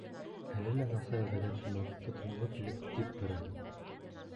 Әле лә, насар ғәҙәт һымаҡ, тотонғо килеп тик тора.